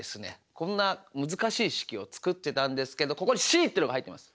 こんな難しい式を作ってたんですけどここに「ｃ」ってのが入ってます。